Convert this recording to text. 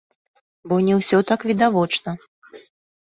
Бо не ўсё так відавочна.